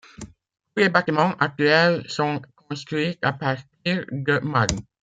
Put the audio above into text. Tous les bâtiments actuels sont construits à partir de marne.